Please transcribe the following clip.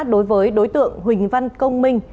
đối với đối tượng huỳnh văn công minh